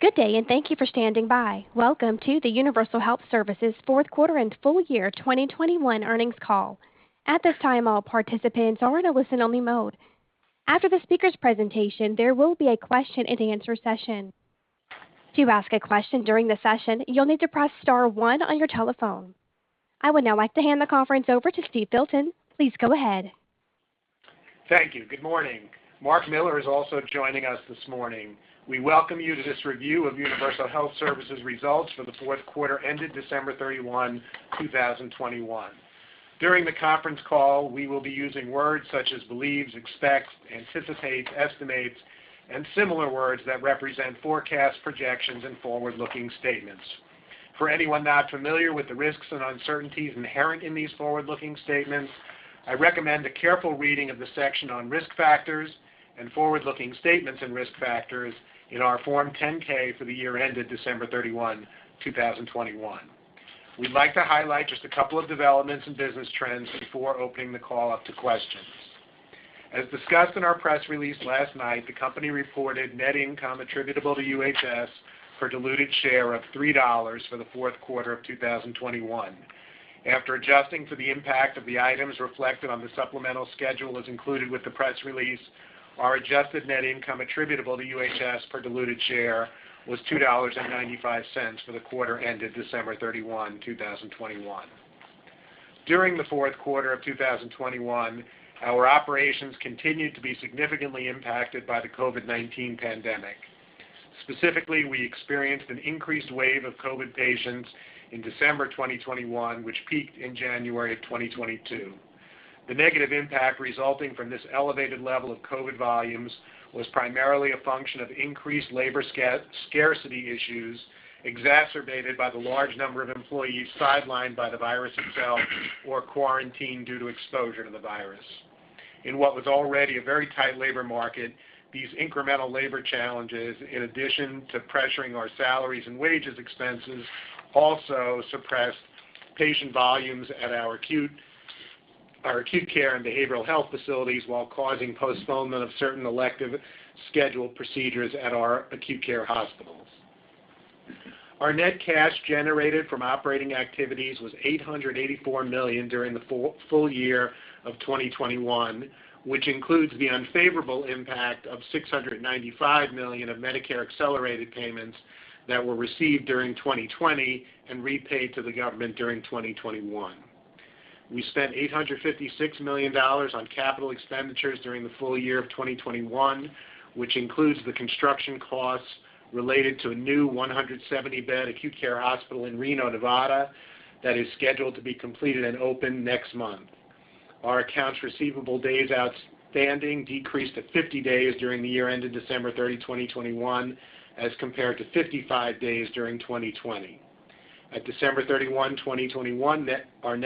Good day, and thank you for standing by. Welcome to the Universal Health Services Q4 and full year 2021 earnings call. At this time, all participants are in a listen-only mode. After the speakers' presentation, there will be a question-and-answer session. To ask a question during the session, you'll need to press star 1 on your telephone. I would now like to hand the conference over to Steve G. Filton. Please go ahead. Thank you. Good morning. Marc Miller is also joining us this morning. We welcome you to this review of Universal Health Services results for the Q4 ended December 31, 2021. During the conference call, we will be using words such as believes, expects, anticipates, estimates, and similar words that represent forecasts, projections, and forward-looking statements. For anyone not familiar with the risks and uncertainties inherent in these forward-looking statements, I recommend a careful reading of the section on risk factors and forward-looking statements and risk factors in our Form 10-K for the year ended December 31, 2021. We'd like to highlight just a couple of developments and business trends before opening the call up to questions. As discussed in our press release last night, the company reported net income attributable to UHS per diluted share of $3 for the Q4 of 2021. After adjusting for the impact of the items reflected on the supplemental schedule as included with the press release, our adjusted net income attributable to UHS per diluted share was $2.95 for the quarter ended December 31, 2021. During the Q4 of 2021, our operations continued to be significantly impacted by the COVID-19 pandemic. Specifically, we experienced an increased wave of COVID patients in December 2021, which peaked in January 2022. The negative impact resulting from this elevated level of COVID volumes was primarily a function of increased labor scarcity issues, exacerbated by the large number of employees sidelined by the virus itself or quarantined due to exposure to the virus. In what was already a very tight labor market, these incremental labor challenges, in addition to pressuring our salaries and wages expenses, also suppressed patient volumes at our acute care and behavioral health facilities while causing postponement of certain elective scheduled procedures at our acute care hospitals. Our net cash generated from operating activities was $884 million during the full year of 2021, which includes the unfavorable impact of $695 million of Medicare accelerated payments that were received during 2020 and repaid to the government during 2021. We spent $856 million on capital expenditures during the full year of 2021, which includes the construction costs related to a new 170-bed acute care hospital in Reno, Nevada, that is scheduled to be completed and open next month. Our accounts receivable days outstanding decreased to 50 days during the year ended December 31, 2021, as compared to 55 days during 2020. At December 31, 2021, our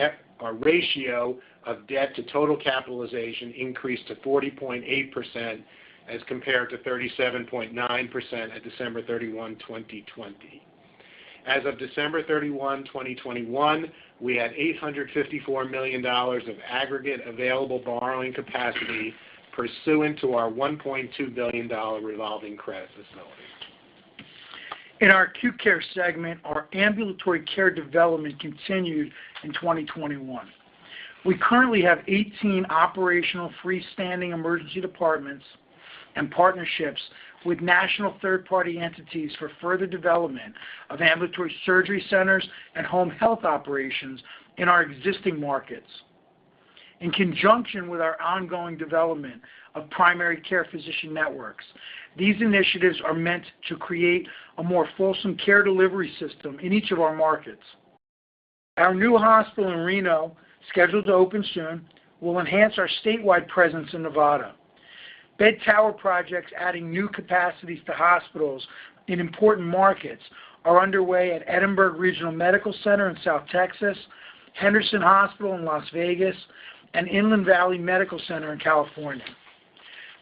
ratio of debt to total capitalization increased to 40.8% as compared to 37.9% at December 31, 2020. As of December 31, 2021, we had $854 million of aggregate available borrowing capacity pursuant to our $1.2 billion revolving credit facility. In our Acute Care segment, our ambulatory care development continued in 2021. We currently have 18 operational freestanding emergency departments and partnerships with national third-party entities for further development of ambulatory surgery centers and home health operations in our existing markets. In conjunction with our ongoing development of primary care physician networks, these initiatives are meant to create a more fulsome care delivery system in each of our markets. Our new hospital in Reno, scheduled to open soon, will enhance our statewide presence in Nevada. Bed tower projects adding new capacities to hospitals in important markets are underway at Edinburg Regional Medical Center in South Texas, Henderson Hospital in Las Vegas, and Inland Valley Medical Center in California.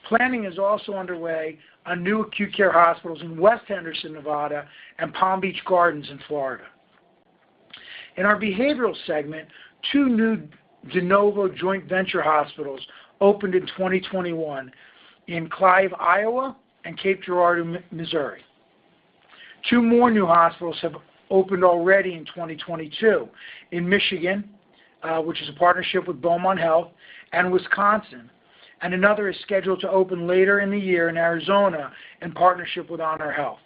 Planning is also underway on new acute care hospitals in West Henderson, Nevada, and Palm Beach Gardens in Florida. In our behavioral segment, 2 new de novo joint venture hospitals opened in 2021 in Clive, Iowa, and Cape Girardeau, Missouri. 2 more new hospitals have opened already in 2022 in Michigan, which is a partnership with Beaumont Health, and Wisconsin, and another is scheduled to open later in the year in Arizona in partnership with HonorHealth.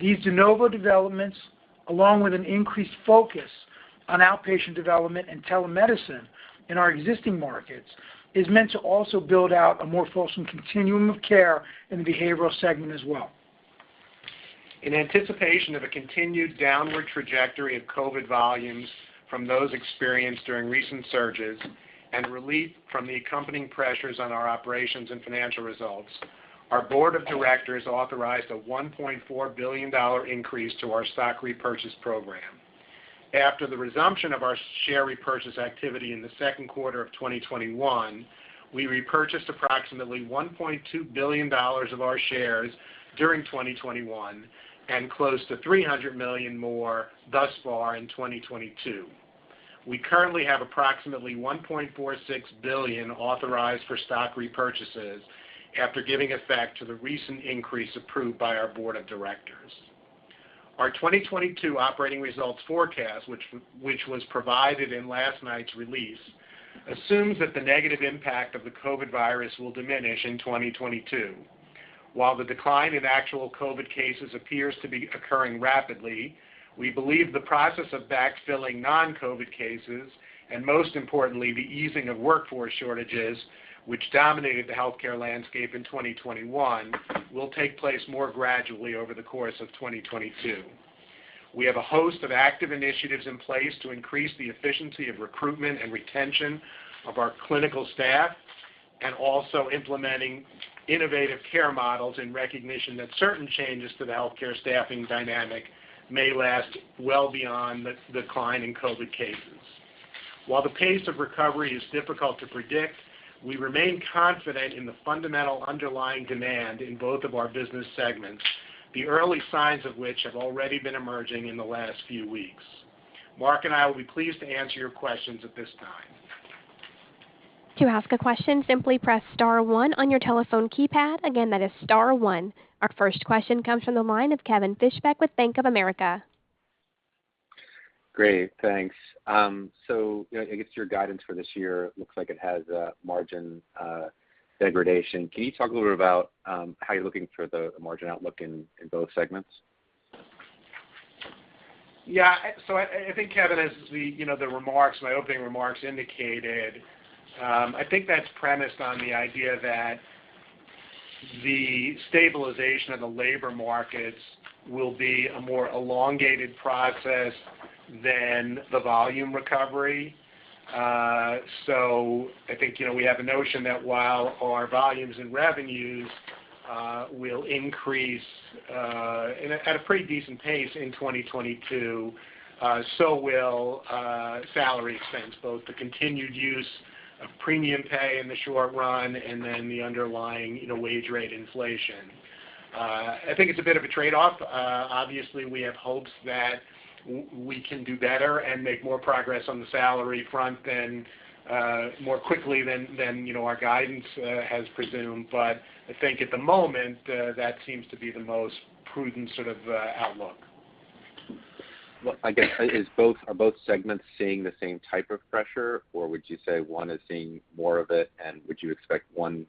These de novo developments, along with an increased focus on outpatient development and telemedicine in our existing markets, is meant to also build out a more fulsome continuum of care in the behavioral segment as well. In anticipation of a continued downward trajectory of COVID volumes from those experienced during recent surges and relief from the accompanying pressures on our operations and financial results, our board of directors authorized a $1.4 billion increase to our stock repurchase program. After the resumption of our share repurchase activity in the second quarter of 2021, we repurchased approximately $1.2 billion of our shares during 2021 and close to $300 million more thus far in 2022. We currently have approximately $1.46 billion authorized for stock repurchases after giving effect to the recent increase approved by our board of directors. Our 2022 operating results forecast, which was provided in last night's release, assumes that the negative impact of the COVID virus will diminish in 2022. While the decline in actual COVID cases appears to be occurring rapidly, we believe the process of backfilling non-COVID cases, and most importantly, the easing of workforce shortages, which dominated the healthcare landscape in 2021, will take place more gradually over the course of 2022. We have a host of active initiatives in place to increase the efficiency of recruitment and retention of our clinical staff, and also implementing innovative care models in recognition that certain changes to the healthcare staffing dynamic may last well beyond the decline in COVID cases. While the pace of recovery is difficult to predict, we remain confident in the fundamental underlying demand in both of our business segments, the early signs of which have already been emerging in the last few weeks. Marc and I will be pleased to answer your questions at this time. Ask a Question Simply press star 1 on your telephone keypad again star 1 Our first question comes from the line of Kevin Fischbeck with Bank of America. Great. Thanks. I guess your guidance for this year looks like it has margin degradation. Can you talk a little bit about how you're looking for the margin outlook in both segments? Yeah. I think, Kevin, as my opening remarks indicated, I think that's premised on the idea that the stabilization of the labor markets will be a more elongated process than the volume recovery. I think, you know, we have a notion that while our volumes and revenues will increase at a pretty decent pace in 2022, so will salary expense, both the continued use of premium pay in the short run and then the underlying, you know, wage rate inflation. I think it's a bit of a trade-off. Obviously, we have hopes that we can do better and make more progress on the salary front than more quickly than, you know, our guidance has presumed. I think at the moment, that seems to be the most prudent sort of outlook. Well, I guess, are both segments seeing the same type of pressure, or would you say one is seeing more of it, and would you expect one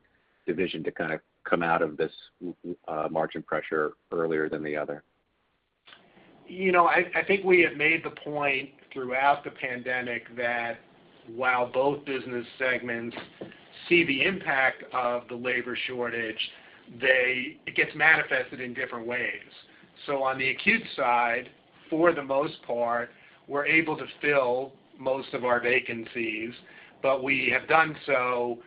division to kind of come out of this margin pressure earlier than the other? You know, I think we have made the point throughout the pandemic that while both business segments see the impact of the labor shortage, it gets manifested in different ways. On the Acute side, for the most part, we're able to fill most of our vacancies, but we have done so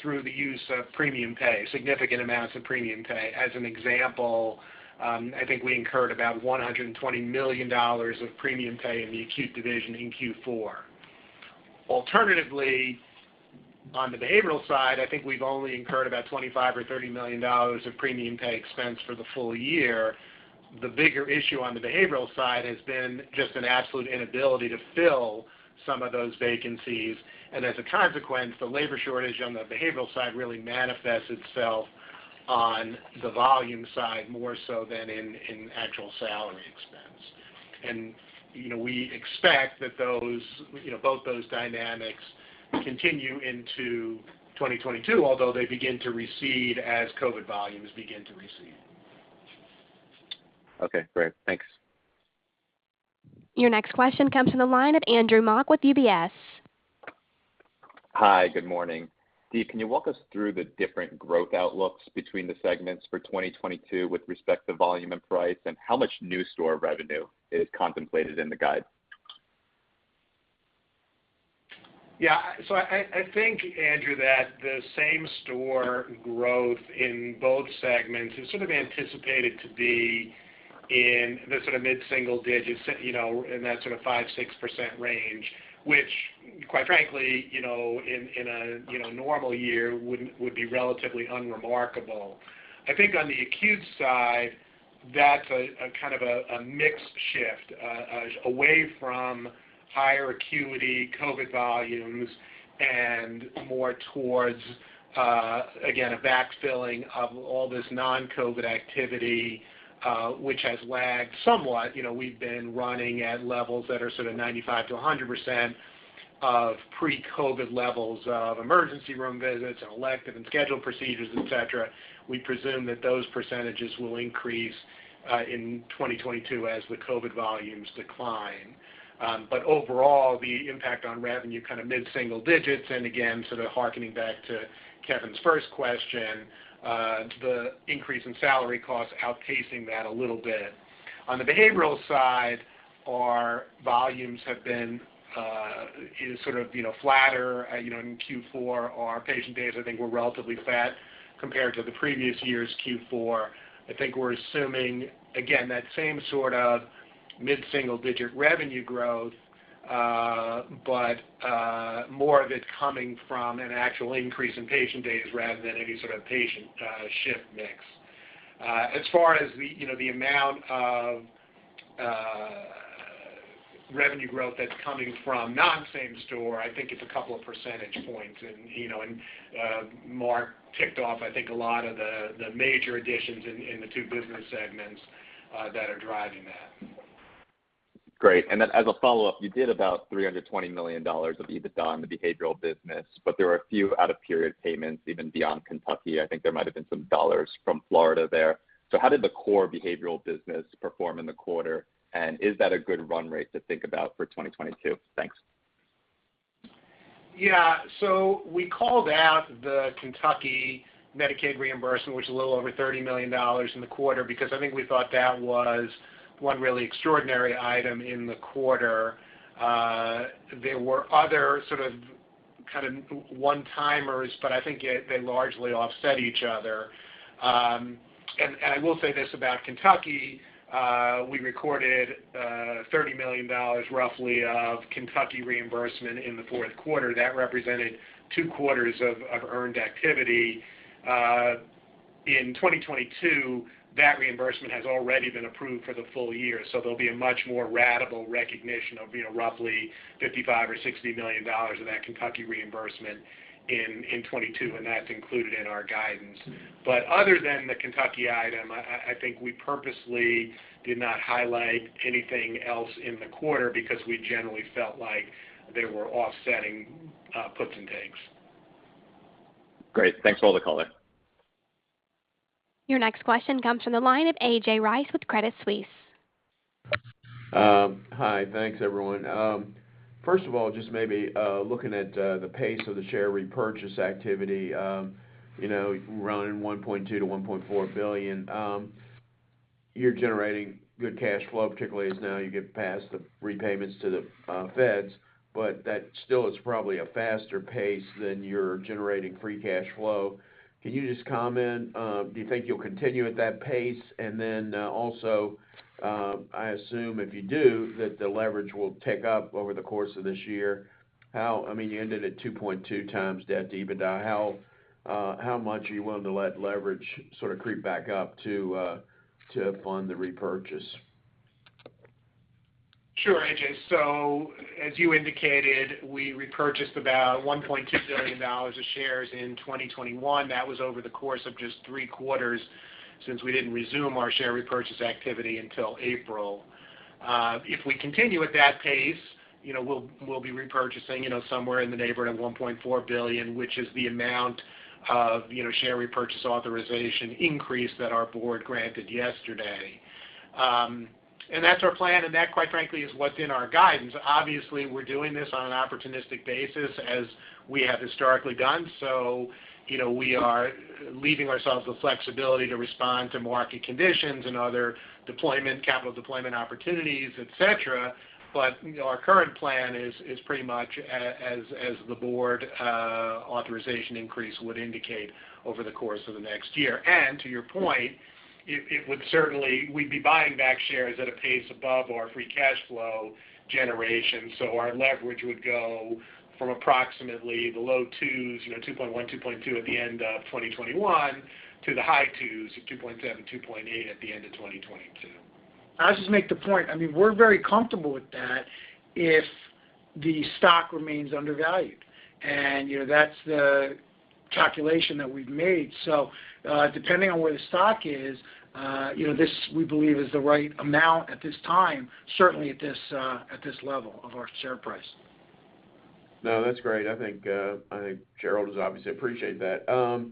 through the use of premium pay, significant amounts of premium pay. As an example, I think we incurred about $120 million of premium pay in the Acute division in Q4. Alternatively, on the Behavioral side, I think we've only incurred about $25 million or $30 million of premium pay expense for the full year. The bigger issue on the Behavioral side has been just an absolute inability to fill some of those vacancies. As a consequence, the labor shortage on the behavioral side really manifests itself on the volume side more so than in actual salary expense. You know, we expect that those, you know, both those dynamics continue into 2022, although they begin to recede as COVID volumes begin to recede. Okay, great. Thanks. Your next question comes from the line of Andrew Mok with UBS. Hi, good morning. Steve, can you walk us through the different growth outlooks between the segments for 2022 with respect to volume and price, and how much new store revenue is contemplated in the guide? I think, Andrew, that the same store growth in both segments is sort of anticipated to be in the sort of mid-single digits, you know, in that sort of 5-6% range, which quite frankly, you know, in a normal year would be relatively unremarkable. I think on the Acute side, that's a kind of mixed shift away from higher acuity COVID volumes and more towards again, a backfilling of all this non-COVID activity, which has lagged somewhat. You know, we've been running at levels that are sort of 95%-100% of pre-COVID levels of emergency room visits and elective and scheduled procedures, et cetera. We presume that those percentages will increase in 2022 as the COVID volumes decline. Overall, the impact on revenue, kind of mid-single digits, and again, sort of hearkening back to Kevin's first question, the increase in salary costs outpacing that a little bit. On the behavioral side, our volumes have been sort of, you know, flatter. You know, in Q4, our patient days, I think, were relatively flat compared to the previous year's Q4. I think we're assuming, again, that same sort of mid-single-digit revenue growth, but more of it coming from an actual increase in patient days rather than any sort of patient shift mix. As far as the, you know, the amount of revenue growth that's coming from non-same store, I think it's a couple of percentage points. You know, Marc ticked off, I think, a lot of the major additions in the 2 business segments that are driving that. Great. Then as a follow-up, you did about $320 million of EBITDA on the behavioral business, but there were a few out-of-period payments even beyond Kentucky. I think there might have been some dollars from Florida there. How did the core behavioral business perform in the quarter? And is that a good run rate to think about for 2022? Thanks. Yeah. We called out the Kentucky Medicaid reimbursement, which is a little over $30 million in the quarter, because I think we thought that was one really extraordinary item in the quarter. There were other sort of, kind of one-timers, but I think they largely offset each other. I will say this about Kentucky, we recorded roughly $30 million of Kentucky reimbursement in the Q4. That represented 2 quarters of earned activity. In 2022, that reimbursement has already been approved for the full year, so there'll be a much more ratable recognition of, you know, roughly $55 million or $60 million of that Kentucky reimbursement in 2022, and that's included in our guidance. Other than the Kentucky item, I think we purposely did not highlight anything else in the quarter because we generally felt like they were offsetting puts and takes. Great. Thanks for all the color. Your next question comes from the line of A.J. Rice with Credit Suisse. Hi. Thanks, everyone. First of all, just maybe looking at the pace of the share repurchase activity, you know, running $1.2 billion-$1.4 billion, you're generating good cash flow, particularly as now you get past the repayments to the feds, but that still is probably a faster pace than you're generating free cash flow. Can you just comment, do you think you'll continue at that pace? Then, also, I assume if you do, that the leverage will tick up over the course of this year. I mean, you ended at 2.2 times debt to EBITDA. How much are you willing to let leverage sort of creep back up to fund the repurchase? Sure, A.J. As you indicated, we repurchased about $1.2 billion of shares in 2021. That was over the course of just 3 quarters since we didn't resume our share repurchase activity until April. If we continue at that pace, you know, we'll be repurchasing, you know, somewhere in the neighborhood of $1.4 billion, which is the amount of, you know, share repurchase authorization increase that our board granted yesterday. That's our plan, and that, quite frankly, is what's in our guidance. Obviously, we're doing this on an opportunistic basis as we have historically done. You know, we are leaving ourselves the flexibility to respond to market conditions and other deployment, capital deployment opportunities, et cetera. You know, our current plan is pretty much as the board authorization increase would indicate over the course of the next year. To your point, it would certainly, we'd be buying back shares at a pace above our free cash flow generation. Our leverage would go from approximately the low 2s, you know, 2.1-2.2 at the end of 2021, to the high 2s, 2.7-2.8 at the end of 2022. I'll just make the point. I mean, we're very comfortable with that if the stock remains undervalued. You know, that's the calculation that we've made. Depending on where the stock is, you know, this, we believe, is the right amount at this time, certainly at this level of our share price. No, that's great. I think shareholders has obviously appreciated that.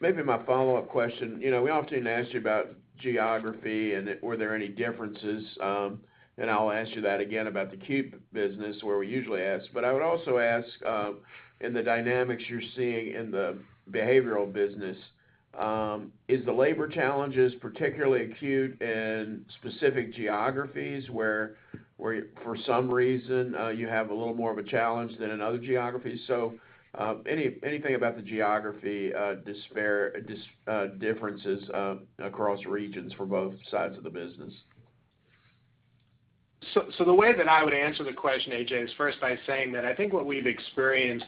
Maybe my follow-up question, you know, we often ask you about geography and if there were any differences, and I'll ask you that again about the Acute business, where we usually ask. I would also ask, in the dynamics you're seeing in the Behavioral business, is the labor challenges particularly acute in specific geographies where for some reason you have a little more of a challenge than in other geographies? Anything about the geography, disparity, differences across regions for both sides of the business. The way that I would answer the question, A.J., is first by saying that I think what we've experienced,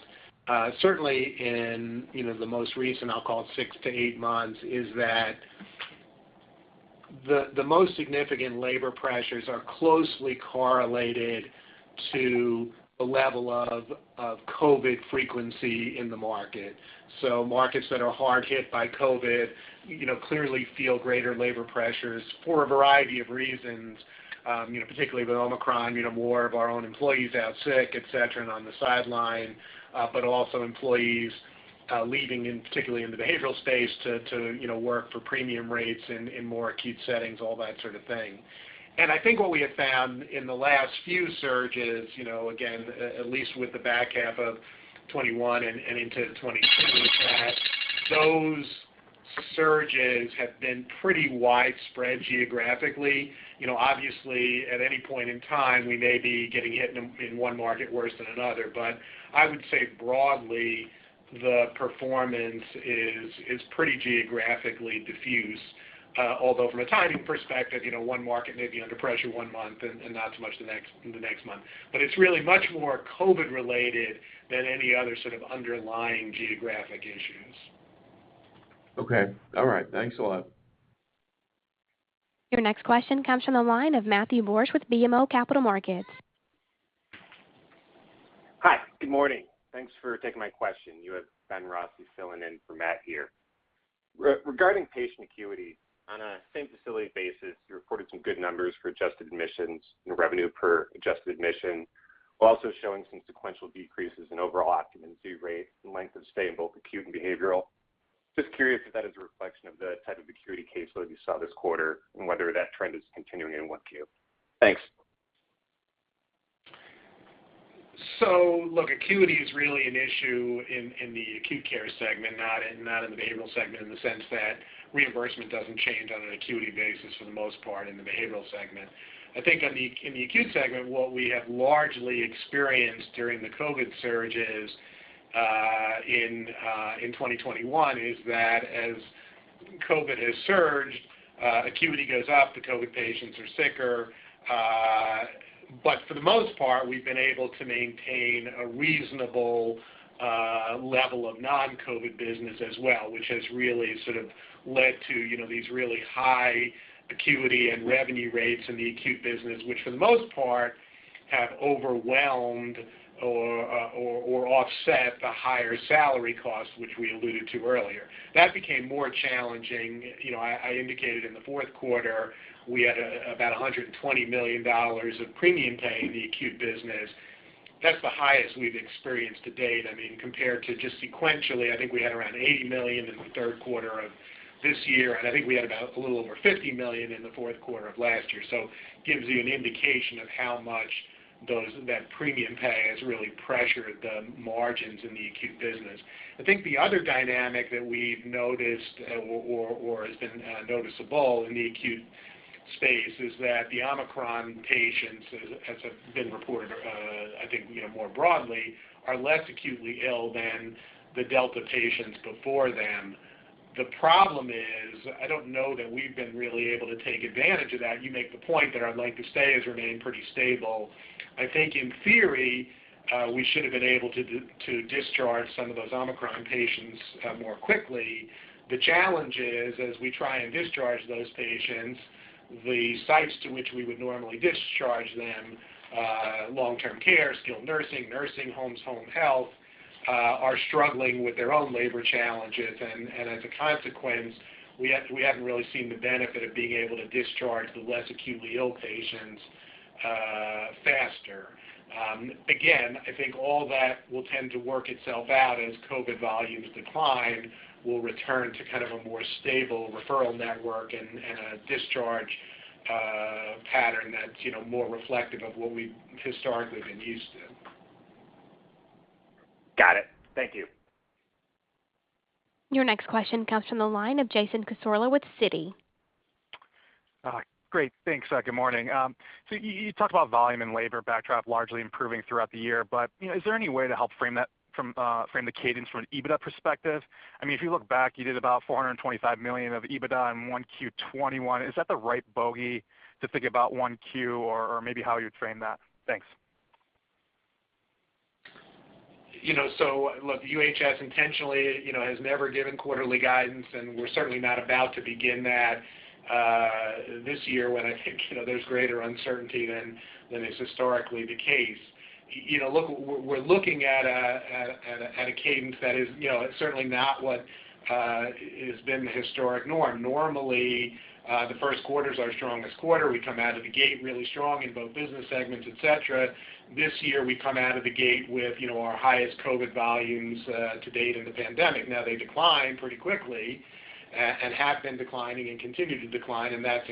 certainly in, you know, the most recent, I'll call it 6-8 months, is that the most significant labor pressures are closely correlated to the level of COVID frequency in the market. Markets that are hard hit by COVID, you know, clearly feel greater labor pressures for a variety of reasons, particularly with Omicron, you know, more of our own employees out sick, et cetera, and on the sidelines, but also employees leaving in, particularly in the behavioral space to, you know, work for premium rates in more acute settings, all that sort of thing. I think what we have found in the last few surges, you know, again, at least with the back half of 2021 and into 2022, is that those surges have been pretty widespread geographically. You know, obviously, at any point in time, we may be getting hit in one market worse than another. But I would say broadly, the performance is pretty geographically diffuse. Although from a timing perspective, you know, one market may be under pressure one month and not so much the next month. But it's really much more COVID-related than any other sort of underlying geographic issues. Okay. All right. Thanks a lot. Your next question comes from the line of Matthew Borsch with BMO Capital Markets. Hi. Good morning. Thanks for taking my question. You have Ben Rossi filling in for Matt here. Regarding patient acuity, on a same facility basis, you reported some good numbers for adjusted admissions and revenue per adjusted admission, while also showing some sequential decreases in overall occupancy rates and length of stay in both Acute and Behavioral. Just curious if that is a reflection of the type of acuity caseload you saw this quarter, and whether that trend is continuing in 1Q. Thanks. Look, acuity is really an issue in the Acute care segment, not in the Behavioral segment, in the sense that reimbursement doesn't change on an acuity basis for the most part in the Behavioral segment. I think in the Acute segment, what we have largely experienced during the COVID surges in 2021 is that as COVID has surged, acuity goes up, the COVID patients are sicker. But for the most part, we've been able to maintain a reasonable level of non-COVID business as well, which has really sort of led to, you know, these really high acuity and revenue rates in the Acute business, which for the most part have overwhelmed or offset the higher salary costs, which we alluded to earlier. That became more challenging. You know, I indicated in the Q4, we had about $120 million of premium pay in the acute business. That's the highest we've experienced to date. I mean, compared to just sequentially, I think we had around $80 million in the third quarter of this year, and I think we had about a little over $50 million in the Q4 of last year. Gives you an indication of how much that premium pay has really pressured the margins in the acute business. I think the other dynamic that we've noticed or has been noticeable in the acute space is that the Omicron patients, as has been reported, I think, you know, more broadly, are less acutely ill than the Delta patients before them. The problem is, I don't know that we've been really able to take advantage of that. You make the point that our length of stay has remained pretty stable. I think in theory, we should have been able to discharge some of those Omicron patients more quickly. The challenge is, as we try and discharge those patients, the sites to which we would normally discharge them, long-term care, skilled nursing homes, home health, are struggling with their own labor challenges. As a consequence, we haven't really seen the benefit of being able to discharge the less acutely ill patients faster. Again, I think all that will tend to work itself out as COVID volumes decline. We'll return to kind of a more stable referral network and a discharge pattern that's, you know, more reflective of what we've historically been used to. Got it. Thank you. Your next question comes from the line of Jason Cassorla with Citi. Great. Thanks. Good morning. You talked about volume and labor backdrop largely improving throughout the year, but, you know, is there any way to help frame the cadence from an EBITDA perspective? I mean, if you look back, you did about $425 million of EBITDA in 1Q 2021. Is that the right bogey to think about 1Q or maybe how you'd frame that? Thanks. You know, look, UHS intentionally, you know, has never given quarterly guidance, and we're certainly not about to begin that this year when I think, you know, there's greater uncertainty than is historically the case. You know, look, we're looking at a cadence that is, you know, certainly not what has been the historic norm. Normally, the first quarter is our strongest quarter. We come out of the gate really strong in both business segments, et cetera. This year, we come out of the gate with, you know, our highest COVID volumes to date in the pandemic. Now they decline pretty quickly, and have been declining and continue to decline, and that's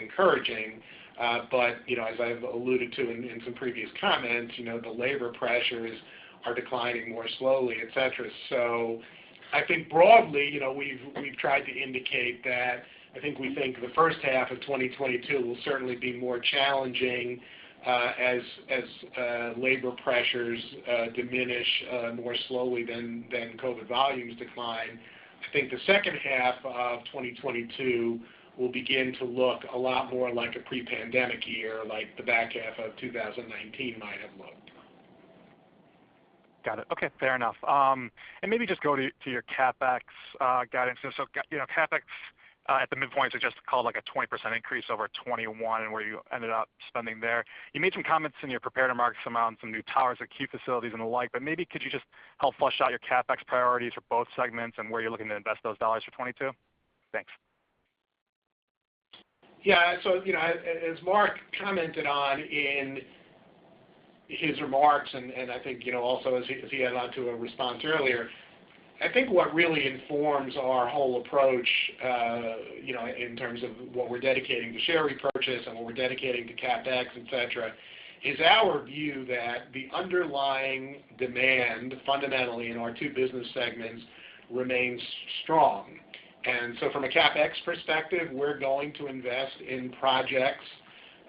encouraging. You know, as I've alluded to in some previous comments, you know, the labor pressures are declining more slowly, et cetera. I think broadly, you know, we've tried to indicate that I think we think the first half of 2022 will certainly be more challenging, as labor pressures diminish more slowly than COVID volumes decline. I think the second half of 2022 will begin to look a lot more like a pre-pandemic year, like the back half of 2019 might have looked. Got it. Okay, fair enough. Maybe just go to your CapEx guidance. You know, CapEx at the midpoint is just called like a 20% increase over 2021 and where you ended up spending there. You made some comments in your prepared remarks around some new towers or key facilities and the like, but maybe could you just help flesh out your CapEx priorities for both segments and where you're looking to invest those dollars for 2022? Thanks. Yeah. You know, as Mark commented on in his remarks, and I think, you know, also as he alluded to a response earlier, I think what really informs our whole approach, you know, in terms of what we're dedicating to share repurchase and what we're dedicating to CapEx, et cetera, is our view that the underlying demand fundamentally in our 2 business segments remains strong. From a CapEx perspective, we're going to invest in projects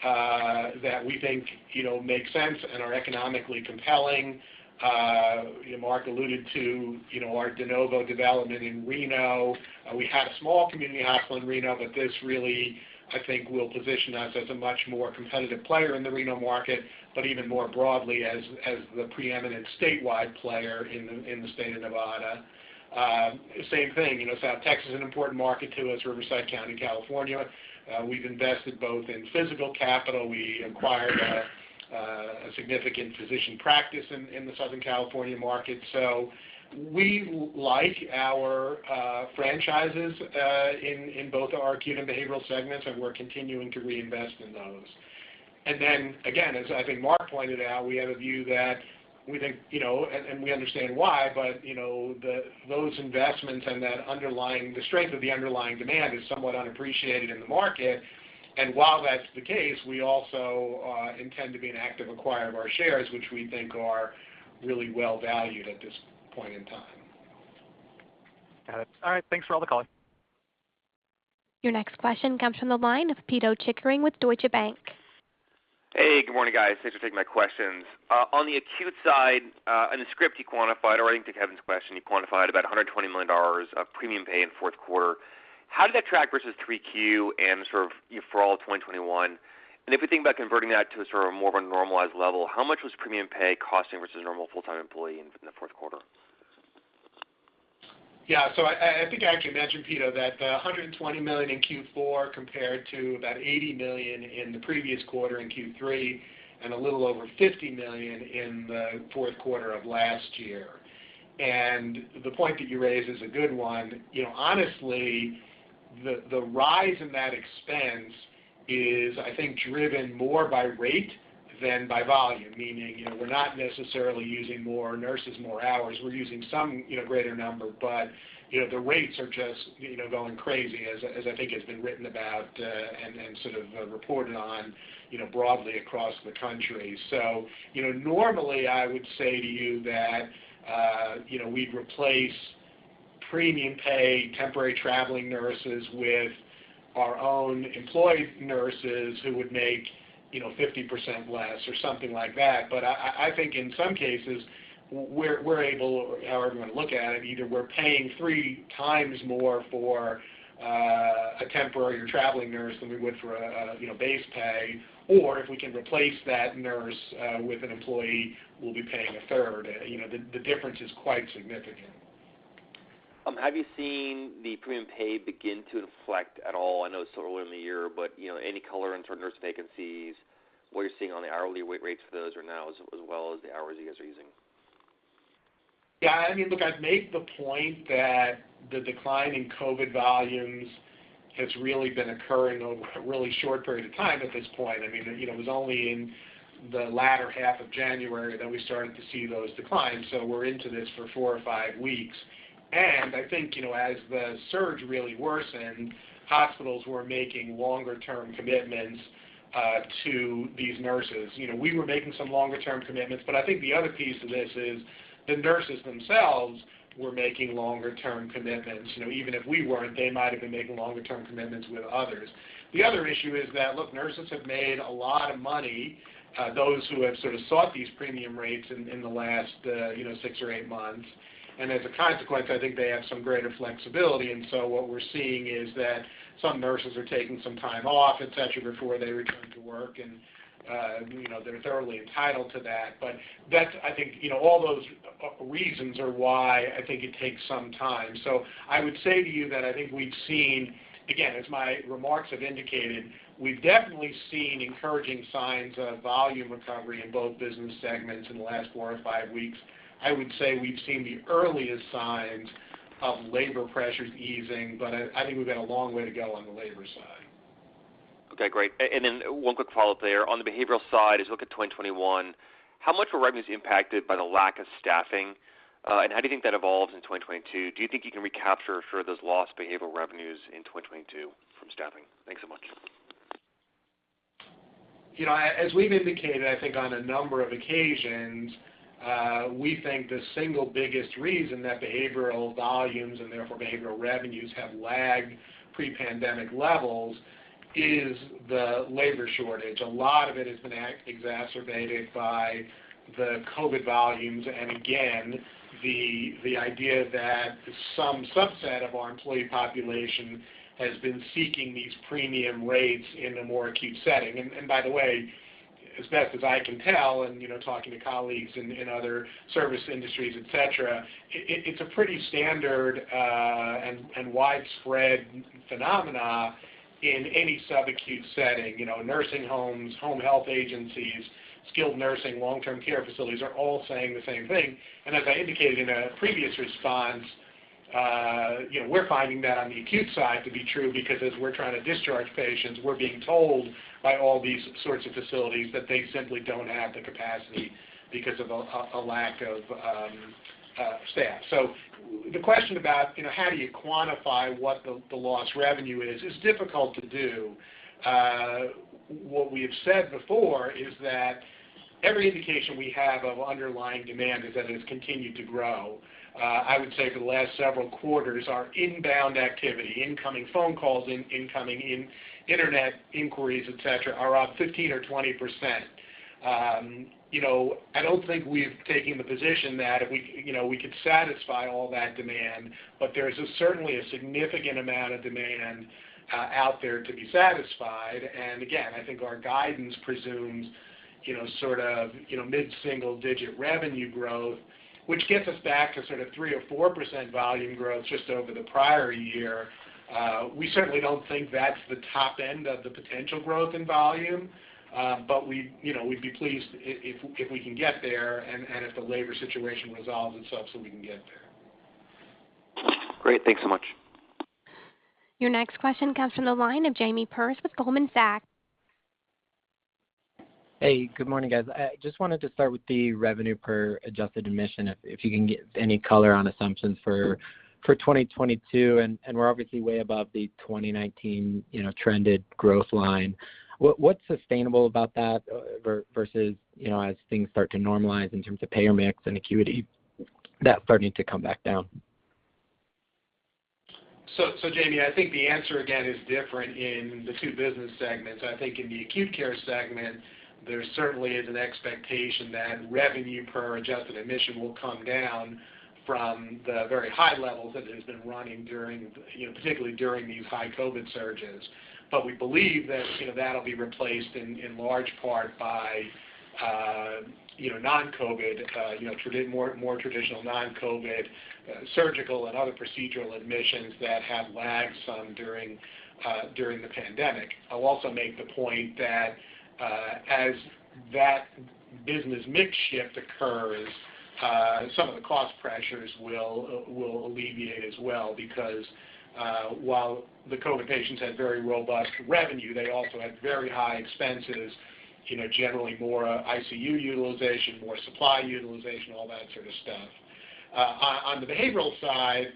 that we think, you know, make sense and are economically compelling. Mark alluded to, you know, our de novo development in Reno. We had a small community hospital in Reno, but this really, I think, will position us as a much more competitive player in the Reno market, but even more broadly as the preeminent statewide player in the state of Nevada. Same thing, you know, South Texas is an important market to us, Riverside County, California. We've invested both in physical capital. We acquired a significant physician practice in the Southern California market. So we like our franchises in both our Acute and Behavioral segments, and we're continuing to reinvest in those. Then again, as I think Mark pointed out, we have a view that we think, you know, and we understand why, but, you know, those investments and the strength of the underlying demand is somewhat unappreciated in the market. While that's the case, we also intend to be an active acquirer of our shares, which we think are really well valued at this point in time. Got it. All right. Thanks for all the color. Your next question comes from the line of Pito Chickering with Deutsche Bank. Hey, good morning, guys. Thanks for taking my questions. On the Acute side, on the script you quantified, or I think to Kevin's question, you quantified about $120 million of premium pay in Q4. How did that track versus Q3 and sort of for all of 2021? And if you think about converting that to a sort of more of a normalized level, how much was premium pay costing versus normal full-time employee in the Q4? Yeah. I think I actually mentioned, Pito, that the $120 million in Q4 compared to about $80 million in the previous quarter in Q3, and a little over $50 million in the Q4 of last year. The point that you raise is a good one. You know, honestly, the rise in that expense is, I think, driven more by rate than by volume. Meaning, you know, we're not necessarily using more nurses more hours. We're using some, you know, greater number, but, you know, the rates are just, you know, going crazy, as I think has been written about, and sort of reported on, you know, broadly across the country. You know, normally I would say to you that we would replace premium pay temporary traveling nurses with our own employed nurses who would make 50% less or something like that. I think in some cases, we're able, however you wanna look at it, either we're paying 3 times more for a temporary or traveling nurse than we would for a base pay, or if we can replace that nurse with an employee, we'll be paying a third. You know, the difference is quite significant. Have you seen the premium pay begin to inflect at all? I know it's still early in the year, but you know, any color in terms of nurse vacancies, what you're seeing on the hourly wage rates for those are now, as well as the hours you guys are using? Yeah. I mean, look, I've made the point that the decline in COVID volumes has really been occurring over a really short period of time at this point. I mean, you know, it was only in the latter half of January that we started to see those declines, so we're into this for 4 or 5 weeks. I think, you know, as the surge really worsened, hospitals were making longer term commitments to these nurses. You know, we were making some longer term commitments, but I think the other piece of this is the nurses themselves were making longer term commitments. You know, even if we weren't, they might have been making longer term commitments with others. The other issue is that, look, nurses have made a lot of money, those who have sort of sought these premium rates in the last, you know, 6 or 8 months. As a consequence, I think they have some greater flexibility. What we're seeing is that some nurses are taking some time off, et cetera, before they return to work, and, you know, they're thoroughly entitled to that. That's, I think, you know, all those reasons are why I think it takes some time. I would say to you that I think we've seen, again, as my remarks have indicated, we've definitely seen encouraging signs of volume recovery in both business segments in the last 4 or 5 weeks. I would say we've seen the earliest signs of labor pressures easing, but I think we've got a long way to go on the labor side. Okay, great. One quick follow-up there. On the behavioral side, as you look at 2021, how much were revenues impacted by the lack of staffing, and how do you think that evolves in 2022? Do you think you can recapture sort of those lost behavioral revenues in 2022 from staffing? Thanks so much. You know, as we've indicated, I think on a number of occasions, we think the single biggest reason that behavioral volumes and therefore behavioral revenues have lagged pre-pandemic levels is the labor shortage. A lot of it has been exacerbated by the COVID volumes. Again, the idea that some subset of our employee population has been seeking these premium rates in a more acute setting. By the way, as best as I can tell, and you know, talking to colleagues in other service industries, et cetera, it's a pretty standard and widespread phenomena in any subacute setting. You know, nursing homes, home health agencies, skilled nursing, long-term care facilities are all saying the same thing. As I indicated in a previous response, you know, we're finding that on the Acute side to be true because as we're trying to discharge patients, we're being told by all these sorts of facilities that they simply don't have the capacity because of a lack of staff. The question about, you know, how do you quantify what the lost revenue is difficult to do. What we have said before is that every indication we have of underlying demand is that it has continued to grow. I would say for the last several quarters, our inbound activity, incoming phone calls, incoming internet inquiries, et cetera, are up 15% or 20%. You know, I don't think we've taken the position that if we, you know, we could satisfy all that demand, but there's certainly a significant amount of demand out there to be satisfied. Again, I think our guidance presumes, you know, sort of, you know, mid-single digit revenue growth, which gets us back to sort of 3%-4% volume growth just over the prior year. We certainly don't think that's the top end of the potential growth in volume, but we, you know, we'd be pleased if we can get there and if the labor situation resolves itself so we can get there. Great. Thanks so much. Your next question comes from the line of Jamie Perse with Goldman Sachs. Hey, good morning, guys. I just wanted to start with the revenue per adjusted admission, if you can give any color on assumptions for 2022, and we're obviously way above the 2019, you know, trended growth line. What's sustainable about that versus, you know, as things start to normalize in terms of payer mix and acuity that's starting to come back down? Jamie, I think the answer again is different in the 2 business segments. I think in the Acute care segment, there certainly is an expectation that revenue per adjusted admission will come down from the very high levels that it has been running during, particularly during these high COVID surges. We believe that'll be replaced in large part by non-COVID more traditional non-COVID surgical and other procedural admissions that have lagged some during the pandemic. I'll also make the point that, as that business mix shift occurs, some of the cost pressures will alleviate as well because, while the COVID patients had very robust revenue, they also had very high expenses, generally more ICU utilization, more supply utilization, all that sort of stuff. On the behavioral side,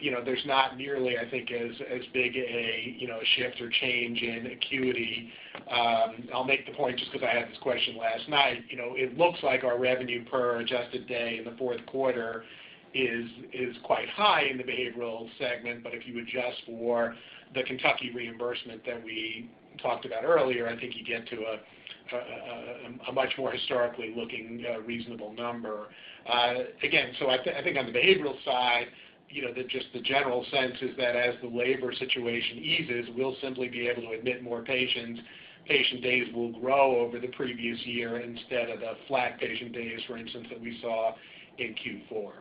you know, there's not nearly, I think, as big a, you know, shift or change in acuity. I'll make the point just 'cause I had this question last night. You know, it looks like our revenue per adjusted day in the Q4 is quite high in the behavioral segment. If you adjust for the Kentucky reimbursement that we talked about earlier, I think you get to a much more historically looking reasonable number. Again, I think on the behavioral side, you know, just the general sense is that as the labor situation eases, we'll simply be able to admit more patients, patient days will grow over the previous year instead of the flat patient days, for instance, that we saw in Q4.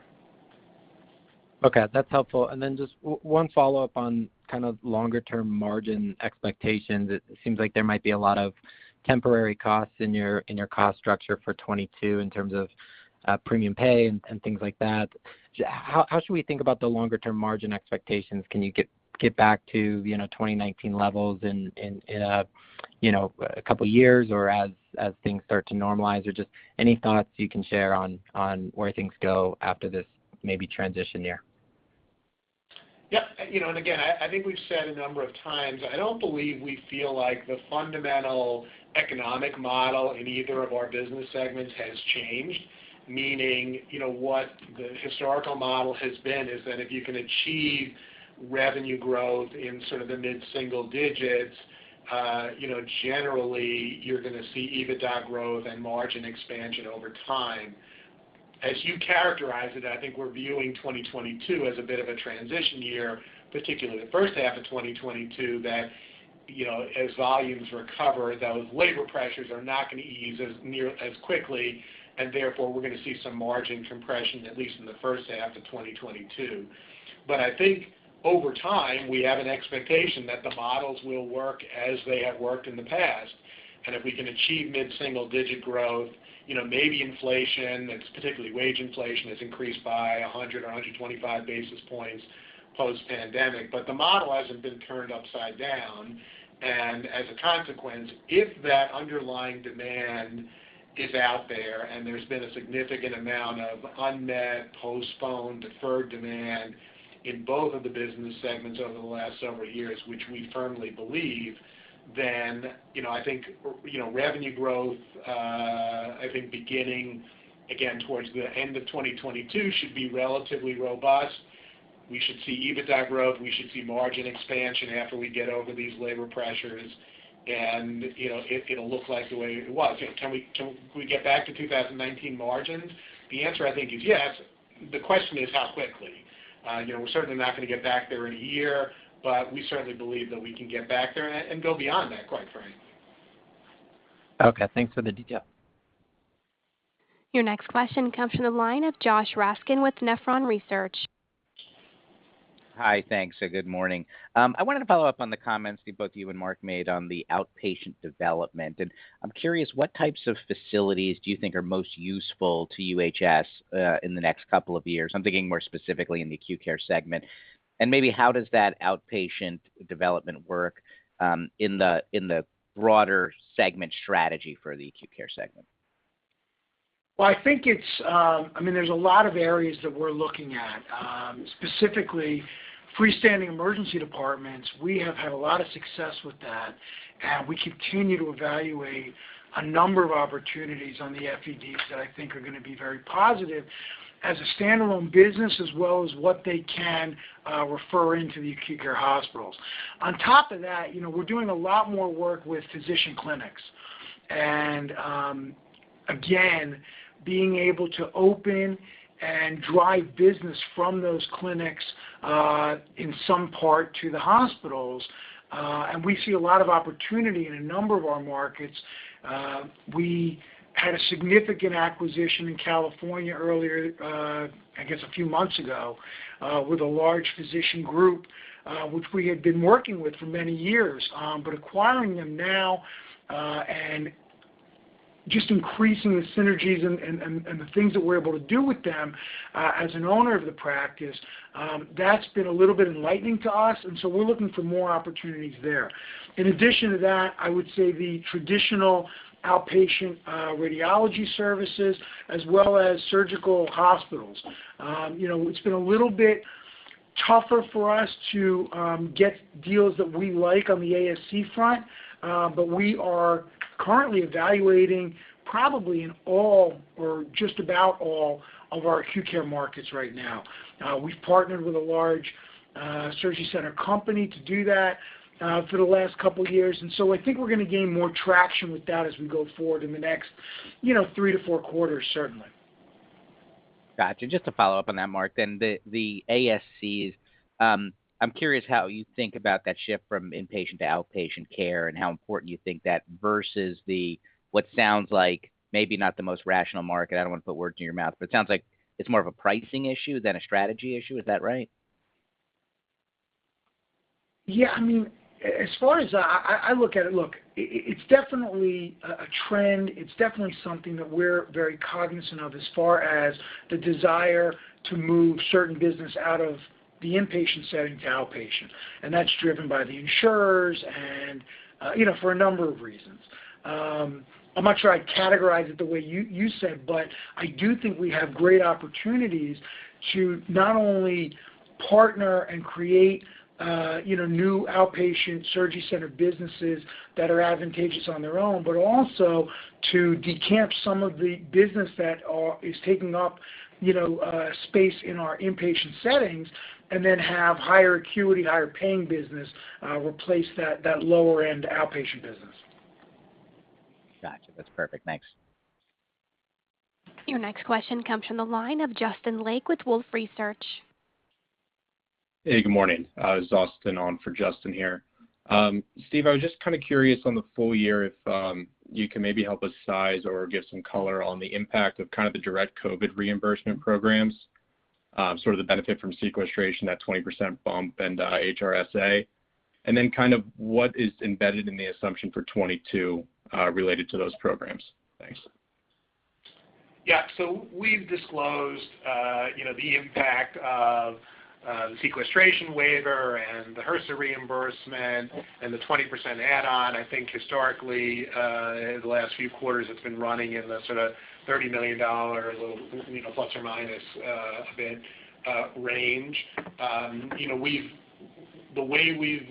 Okay. That's helpful. Just one follow-up on kind of longer term margin expectations. It seems like there might be a lot of temporary costs in your cost structure for 2022 in terms of premium pay and things like that. How should we think about the longer term margin expectations? Can you get back to, you know, 2019 levels in, you know, a couple of years or as things start to normalize? Or just any thoughts you can share on where things go after this maybe transition year? Yeah. You know, and again, I think we've said a number of times, I don't believe we feel like the fundamental economic model in either of our business segments has changed. Meaning, you know, what the historical model has been is that if you can achieve revenue growth in sort of the mid-single digits, you know, generally you're gonna see EBITDA growth and margin expansion over time. As you characterize it, I think we're viewing 2022 as a bit of a transition year, particularly the first half of 2022, that, you know, as volumes recover, those labor pressures are not gonna ease as quickly, and therefore, we're gonna see some margin compression, at least in the first half of 2022. I think over time, we have an expectation that the models will work as they have worked in the past. If we can achieve mid-single digit growth, you know, maybe inflation, it's particularly wage inflation, has increased by 100 or 125 basis points post-pandemic. But the model hasn't been turned upside down. As a consequence, if that underlying demand is out there and there's been a significant amount of unmet, postponed, deferred demand in both of the business segments over the last several years, which we firmly believe, then, you know, I think, you know, revenue growth, I think beginning again towards the end of 2022 should be relatively robust. We should see EBITDA growth. We should see margin expansion after we get over these labor pressures, and, you know, it'll look like the way it was. Can we get back to 2019 margins? The answer, I think is yes. The question is how quickly? You know, we're certainly not gonna get back there in a year, but we certainly believe that we can get back there and go beyond that, quite frankly. Okay. Thanks for the detail. Your next question comes from the line of Joshua Raskin with Nephron Research. Hi. Thanks. Good morning. I wanted to follow up on the comments that both you and Mark made on the outpatient development. I'm curious, what types of facilities do you think are most useful to UHS in the next couple of years? I'm thinking more specifically in the Acute care segment. Maybe how does that outpatient development work in the broader segment strategy for the Acute care segment? Well, I think it's, I mean, there's a lot of areas that we're looking at, specifically freestanding emergency departments. We have had a lot of success with that, and we continue to evaluate a number of opportunities on the FEDs that I think are gonna be very positive as a standalone business as well as what they can refer into the acute care hospitals. On top of that, you know, we're doing a lot more work with physician clinics and, again, being able to open and drive business from those clinics, in some part to the hospitals. We see a lot of opportunity in a number of our markets. We had a significant acquisition in California earlier, I guess a few months ago, with a large physician group, which we had been working with for many years. Acquiring them now, and just increasing the synergies and the things that we're able to do with them, as an owner of the practice, that's been a little bit enlightening to us, and so we're looking for more opportunities there. In addition to that, I would say the traditional outpatient radiology services as well as surgical hospitals. You know, it's been a little bit tougher for us to get deals that we like on the ASC front, we are currently evaluating probably in all or just about all of our acute care markets right now. We've partnered with a large surgery center company to do that, for the last couple years, and so I think we're gonna gain more traction with that as we go forward in the next, you know, 3-4 quarters certainly. Got you. Just to follow up on that, Mark, then the ASCs, I'm curious how you think about that shift from inpatient to outpatient care and how important you think that versus the, what sounds like maybe not the most rational market. I don't wanna put words in your mouth, but it sounds like it's more of a pricing issue than a strategy issue. Is that right? Yeah. I mean, as far as I look at it's definitely a trend. It's definitely something that we're very cognizant of as far as the desire to move certain business out of the inpatient setting to outpatient, and that's driven by the insurers and for a number of reasons. I'm not sure I'd categorize it the way you said, but I do think we have great opportunities to not only partner and create new outpatient surgery center businesses that are advantageous on their own, but also to decamp some of the business that is taking up space in our inpatient settings and then have higher acuity, higher paying business replace that lower end outpatient business. Gotcha. That's perfect. Thanks. Your next question comes from the line of Justin Lake with Wolfe Research. Hey, good morning. It's Austin on for Justin here. Steve, I was just kinda curious on the full year if you can maybe help us size or give some color on the impact of kind of the direct COVID reimbursement programs, sort of the benefit from sequestration, that 20% bump and HRSA. Kind of what is embedded in the assumption for 2022 related to those programs. Thanks. Yeah. We've disclosed, you know, the impact of the sequestration waiver and the HRSA reimbursement and the 20% add-on. I think historically, the last few quarters, it's been running in the sorta $30 million, you know, plus or minus a bit, range. You know, the way we've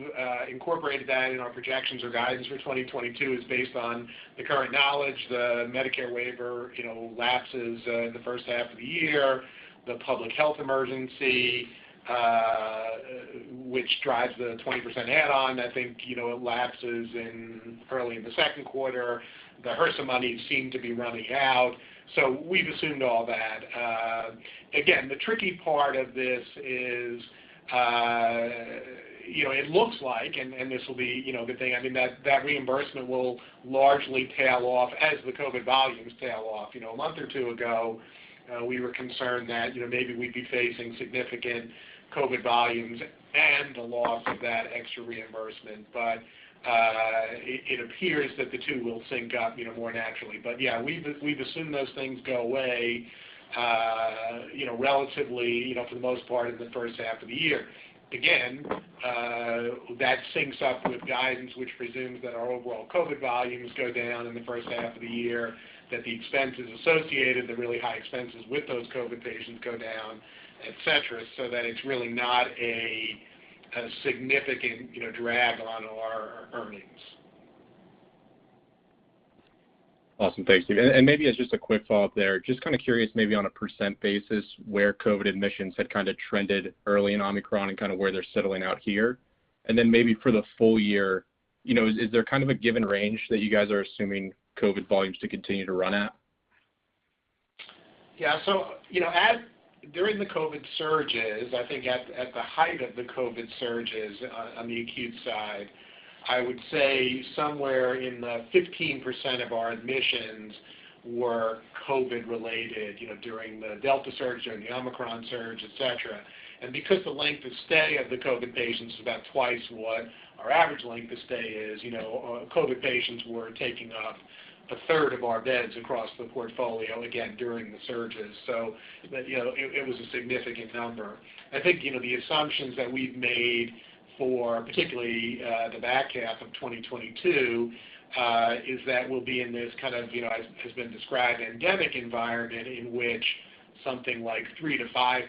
incorporated that in our projections or guidance for 2022 is based on the current knowledge, the Medicare waiver, you know, lapses in the first half of the year, the public health emergency, which drives the 20% add-on. I think, you know, it lapses early in the second quarter. The HRSA money seems to be running out, so we've assumed all that. Again, the tricky part of this is, you know, it looks like this will be, you know, the thing. I mean, that reimbursement will largely tail off as the COVID volumes tail off. You know, a month or 2 ago, we were concerned that, you know, maybe we'd be facing significant COVID volumes and the loss of that extra reimbursement. It appears that the 2 will sync up, you know, more naturally. Yeah, we've assumed those things go away, you know, relatively, you know, for the most part in the first half of the year. Again, that syncs up with guidance, which presumes that our overall COVID volumes go down in the first half of the year, that the expenses associated, the really high expenses with those COVID patients go down, et cetera, so that it's really not a significant, you know, drag on our earnings. Awesome. Thanks, Steve. Maybe as just a quick follow-up there, just kinda curious maybe on a percent basis where COVID admissions had kinda trended early in Omicron and kinda where they're settling out here. Then maybe for the full year, you know, is there kind of a given range that you guys are assuming COVID volumes to continue to run at? Yeah. You know, as during the COVID surges, I think at the height of the COVID surges on the acute side, I would say somewhere in the 15% of our admissions were COVID related, you know, during the Delta surge, during the Omicron surge, et cetera. Because the length of stay of the COVID patients is about twice what our average length of stay is, you know, COVID patients were taking up a third of our beds across the portfolio, again, during the surges. You know, it was a significant number. I think, you know, the assumptions that we've made for particularly the back half of 2022 is that we'll be in this kind of, you know, as has been described, endemic environment in which something like 3%-5%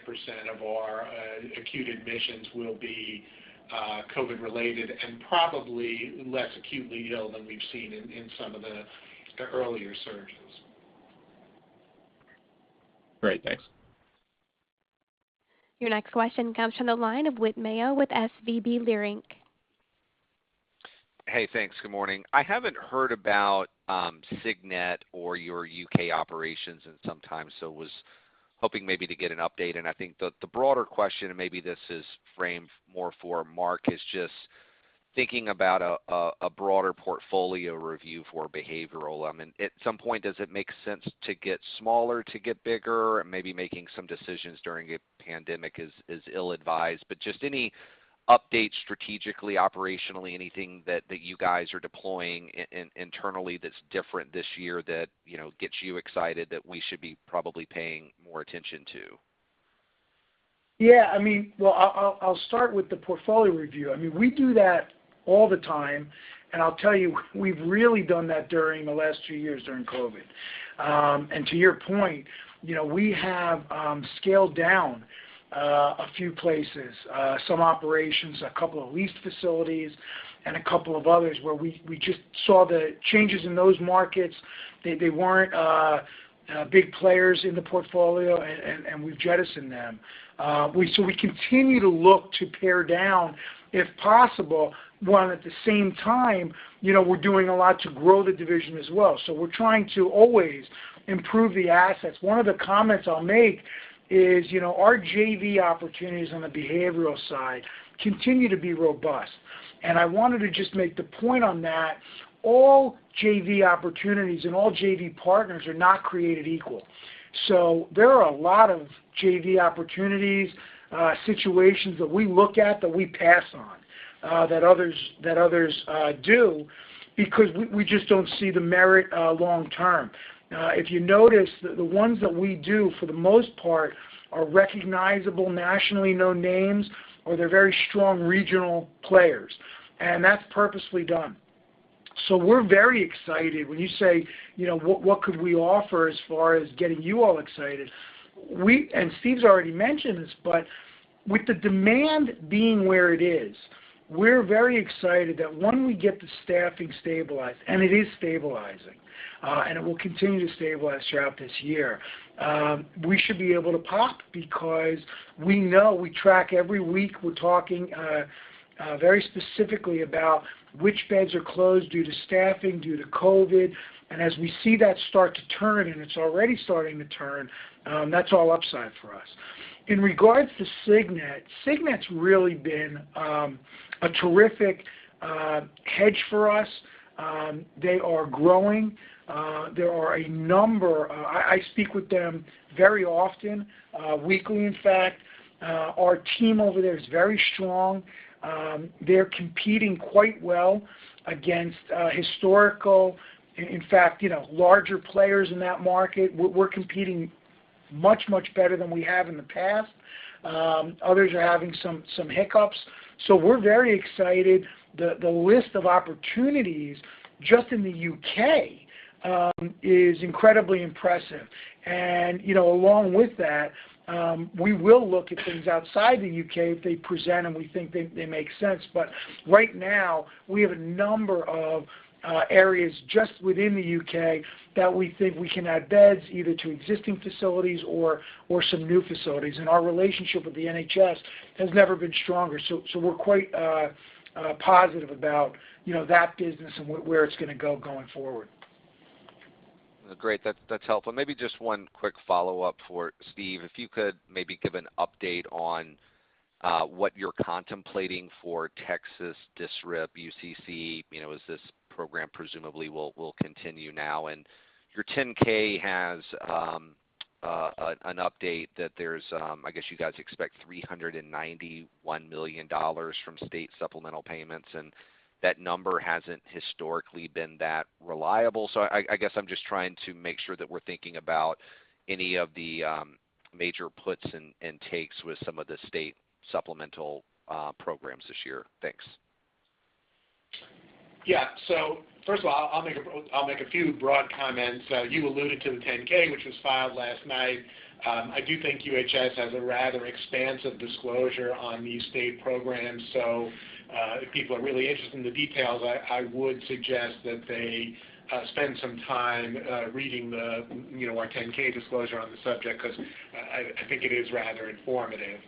of our acute admissions will be COVID related and probably less acutely ill than we've seen in some of the earlier surges. Great. Thanks. Your next question comes from the line of Whit Mayo with SVB Leerink Partners. Hey, thanks. Good morning. I haven't heard about, Cygnet or your U.K. operations in some time, so was hoping maybe to get an update. I think the broader question, and maybe this is framed more for Mark, is just thinking about a broader portfolio review for behavioral. I mean, at some point, does it make sense to get smaller to get bigger? Maybe making some decisions during a pandemic is ill-advised. Just any update strategically, operationally, anything that you guys are deploying internally that's different this year that, you know, gets you excited that we should be probably paying more attention to? Yeah, I mean, I'll start with the portfolio review. I mean, we do that all the time, and I'll tell you, we've really done that during the last 2 years during COVID. To your point, you know, we have scaled down a few places, some operations, a couple of leased facilities and a couple of others where we just saw the changes in those markets. They weren't big players in the portfolio and we've jettisoned them. So we continue to look to pare down if possible, while at the same time, you know, we're doing a lot to grow the division as well. So we're trying to always improve the assets. One of the comments I'll make is, you know, our JV opportunities on the behavioral side continue to be robust. I wanted to just make the point on that all JV opportunities and all JV partners are not created equal. There are a lot of JV opportunities, situations that we look at, that we pass on, that others do because we just don't see the merit long term. If you notice the ones that we do for the most part are recognizable, nationally known names, or they're very strong regional players, and that's purposely done. We're very excited when you say, you know, what could we offer as far as getting you all excited? We, and Steve's already mentioned this, but with the demand being where it is, we're very excited that when we get the staffing stabilized, and it is stabilizing, and it will continue to stabilize throughout this year, we should be able to pop because we know we track every week. We're talking very specifically about which beds are closed due to staffing, due to COVID. As we see that start to turn, and it's already starting to turn, that's all upside for us. In regards to Cygnet's really been a terrific hedge for us. They are growing. I speak with them very often, weekly, in fact. Our team over there is very strong. They're competing quite well against historically, in fact, you know, larger players in that market. We're competing much better than we have in the past. Others are having some hiccups. We're very excited. The list of opportunities just in the U.K. is incredibly impressive. You know, along with that, we will look at things outside the U.K. if they present and we think they make sense. Right now we have a number of areas just within the U.K. that we think we can add beds either to existing facilities or some new facilities. Our relationship with the NHS has never been stronger. We're quite positive about, you know, that business and where it's gonna go going forward. Great. That's helpful. Maybe just one quick follow-up for Steve. If you could maybe give an update on what you're contemplating for Texas DSRIP UCC. As this program presumably will continue now. Your 10-K has an update that there's, I guess, you guys expect $391 million from state supplemental payments, and that number hasn't historically been that reliable. I guess I'm just trying to make sure that we're thinking about any of the major puts and takes with some of the state supplemental programs this year. Thanks. Yeah. First of all, I'll make a few broad comments. You alluded to the 10-K, which was filed last night. I do think UHS has a rather expansive disclosure on these state programs. If people are really interested in the details, I would suggest that they spend some time reading the you know our 10-K disclosure on the subject because I think it is rather informative.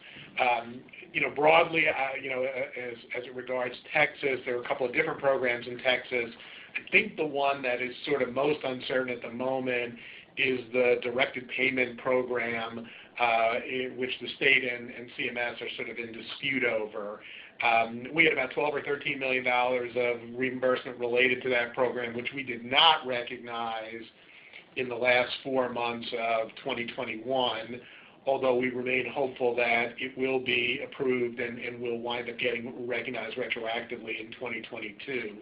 You know, broadly, you know, as it regards Texas, there are a couple of different programs in Texas. I think the one that is sort of most uncertain at the moment is the directed payment program, which the state and CMS are sort of in dispute over. We had about $12 million-$13 million of reimbursement related to that program, which we did not recognize in the last 4 months of 2021, although we remain hopeful that it will be approved and will wind up getting recognized retroactively in 2022.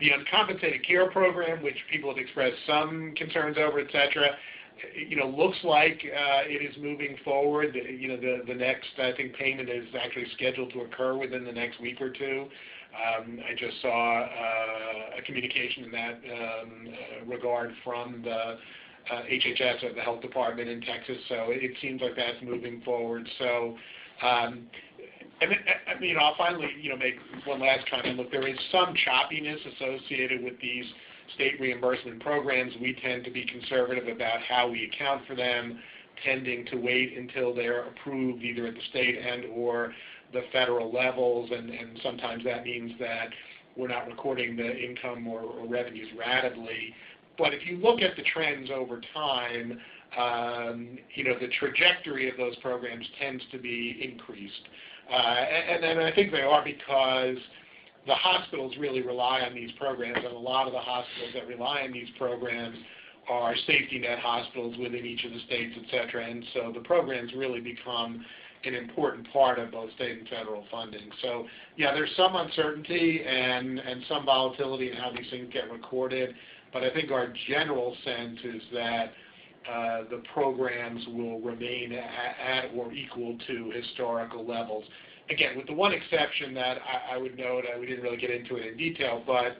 The Uncompensated Care Program, which people have expressed some concerns over, et cetera, you know, looks like it is moving forward. You know, the next, I think, payment is actually scheduled to occur within the next week or 2. I just saw a communication in that regard from the HHS or the health department in Texas. It seems like that's moving forward. I mean, I'll finally, you know, make one last comment. Look, there is some choppiness associated with these state reimbursement programs. We tend to be conservative about how we account for them, tending to wait until they're approved either at the state and/or the federal levels. Sometimes that means that we're not recording the income or revenues ratably. If you look at the trends over time, you know, the trajectory of those programs tends to be increased. I think they are because the hospitals really rely on these programs, and a lot of the hospitals that rely on these programs are safety net hospitals within each of the states, et cetera. The programs really become an important part of both state and federal funding. Yeah, there's some uncertainty and some volatility in how these things get recorded. I think our general sense is that the programs will remain at or equal to historical levels. Again, with the one exception that I would note, and we didn't really get into it in detail, but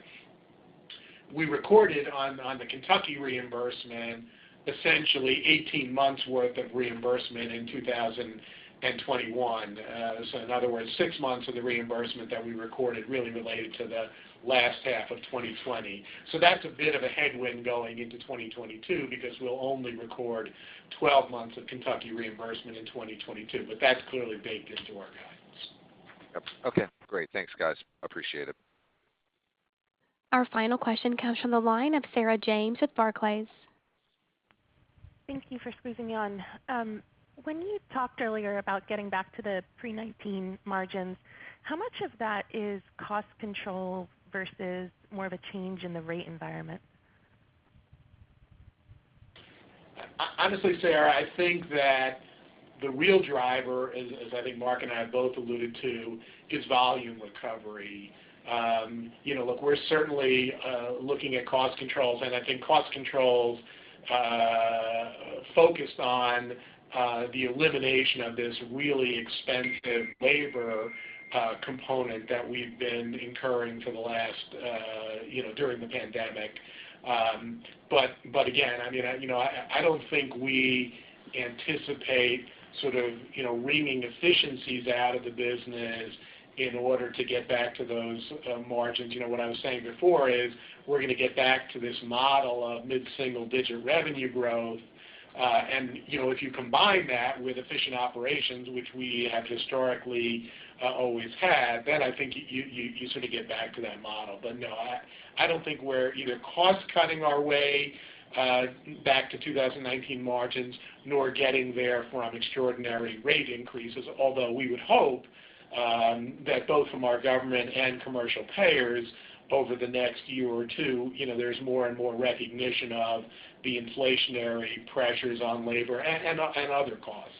we recorded on the Kentucky reimbursement, essentially 18 months worth of reimbursement in 2021. In other words, 6 months of the reimbursement that we recorded really related to the last half of 2020. That's a bit of a headwind going into 2022, because we'll only record 12 months of Kentucky reimbursement in 2022. That's clearly baked into our guidance. Okay, great. Thanks, guys. Appreciate it. Our final question comes from the line of Sarah James with Barclays. Thank you for squeezing me in. When you talked earlier about getting back to the pre-19 margins, how much of that is cost control versus more of a change in the rate environment? Honestly, Sarah, I think that the real driver, as I think Mark and I have both alluded to, is volume recovery. You know, look, we're certainly looking at cost controls, and I think cost controls focused on the elimination of this really expensive labor component that we've been incurring for the last, you know, during the pandemic. But again, I mean, I don't think we anticipate sort of, you know, wringing efficiencies out of the business in order to get back to those margins. You know, what I was saying before is we're gonna get back to this model of mid-single-digit revenue growth. And, you know, if you combine that with efficient operations, which we have historically always had, then I think you sort of get back to that model. No, I don't think we're either cost cutting our way back to 2019 margins nor getting there from extraordinary rate increases. Although we would hope that both from our government and commercial payers over the next year or 2, you know, there's more and more recognition of the inflationary pressures on labor and other costs.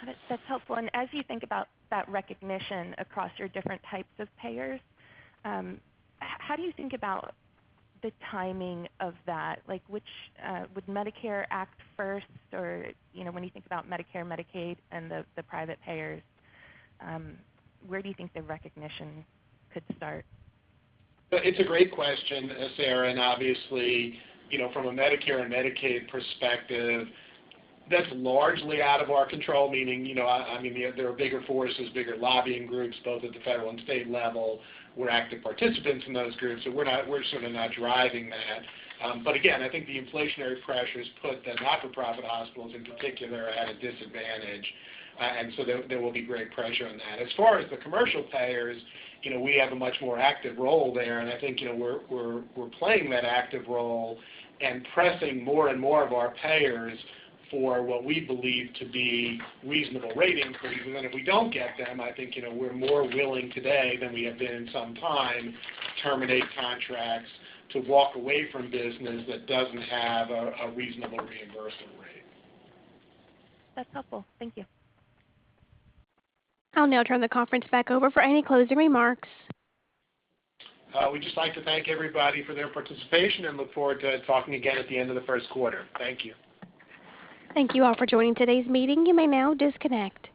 Got it. That's helpful. As you think about that recognition across your different types of payers, how do you think about the timing of that? Like, which would Medicare act first or, you know, when you think about Medicare, Medicaid, and the private payers, where do you think the recognition could start? It's a great question, Sarah, and obviously, you know, from a Medicare and Medicaid perspective, that's largely out of our control. Meaning, you know, I mean, yeah, there are bigger forces, bigger lobbying groups, both at the federal and state level. We're active participants in those groups, so we're sort of not driving that. But again, I think the inflationary pressures put the not-for-profit hospitals in particular at a disadvantage. There will be great pressure on that. As far as the commercial payers, you know, we have a much more active role there, and I think, you know, we're playing that active role and pressing more and more of our payers for what we believe to be reasonable rate increases. If we don't get them, I think, you know, we're more willing today than we have been in some time to terminate contracts, to walk away from business that doesn't have a reasonable reimbursement rate. That's helpful. Thank you. I'll now turn the conference back over for any closing remarks. We'd just like to thank everybody for their participation and look forward to talking again at the end of the first quarter. Thank you. Thank you all for joining today's meeting. You may now disconnect.